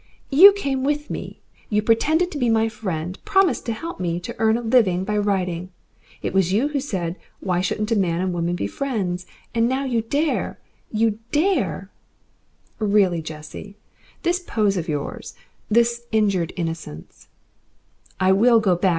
"You came with me. You pretended to be my friend. Promised to help me to earn a living by writing. It was you who said, why shouldn't a man and woman be friends? And now you dare you dare " "Really, Jessie, this pose of yours, this injured innocence " "I will go back.